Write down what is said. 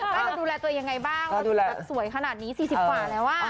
ต้องดูแลตัวยังไงบ้างสวยขนาดนี้๔๐กว่าแล้ว